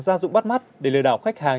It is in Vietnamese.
gia dụng bắt mắt để lừa đảo khách hàng